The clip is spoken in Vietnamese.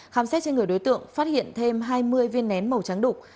khám xét trên người đối tượng phát hiện thêm hai mươi viên nén màu trắng đục